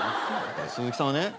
鈴木さんはね